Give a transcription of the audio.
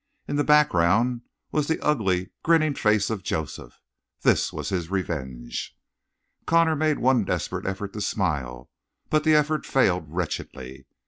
In the background was the ugly, grinning face of Joseph. This was his revenge. Connor made one desperate effort to smile, but the effort failed wretchedly.